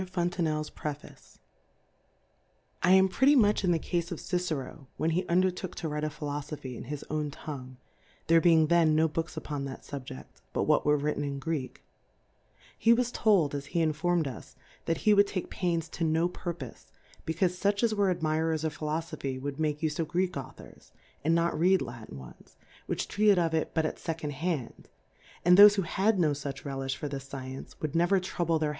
f^^® ^Mjretty much m the Cafi 1 M ^f Qc^i'O, when he undertook ^@^@^^'^^^^^^ <9/Philofophy in his own Tongue^ there being then no Booh upon that SuhjeHy hut what were written in Greek ; He was toldy as he i7tform'^d us^ that he would take Pains to no Purj^o/ej lecaufefuchas were Admirer ^ of Thilofbphj', would make ufe <?/ Greek Authors^ a?id not read Latin ones^ vohich treated of It hut at Second^ ha?id\ and tbofe who had no fuch Relijh for this Science^ would never trouhle their He.